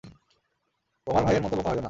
তোমার ভাইয়ের মতো বোকা হইয়ো না।